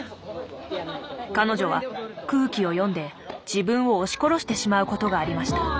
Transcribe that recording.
彼女は空気を読んで自分を押し殺してしまうことがありました。